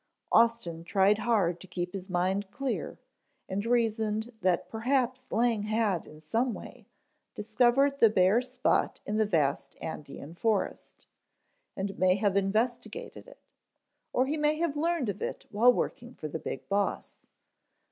Austin tried hard to keep his mind clear and reasoned that perhaps Lang had in some way discovered the bare spot in the vast Andean forest, and may have investigated it, or he may have learned of it while working for the Big Boss.